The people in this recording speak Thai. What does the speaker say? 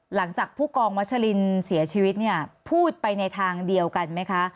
หลังจากผู้กองวัชลินเสียชีวิตเนี่ยพูดไปในทางเดียวกันไหมคะ